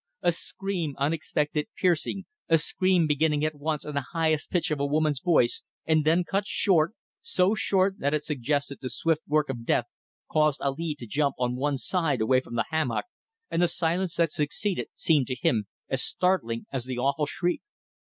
A scream, unexpected, piercing a scream beginning at once in the highest pitch of a woman's voice and then cut short, so short that it suggested the swift work of death caused Ali to jump on one side away from the hammock, and the silence that succeeded seemed to him as startling as the awful shriek.